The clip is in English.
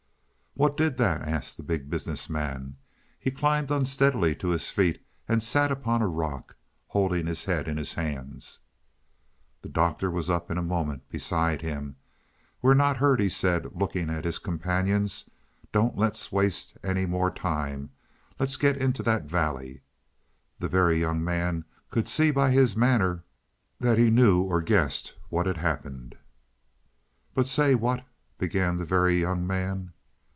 "What did that?" asked the Big Business Man. He climbed unsteadily to his feet and sat upon a rock, holding his head in his hands. The Doctor was up in a moment beside him. "We're not hurt," he said, looking at his companions. "Don't let's waste any more time let's get into that valley." The Very Young Man could see by his manner that he knew or guessed what had happened. "But say; what " began the Very Young Man.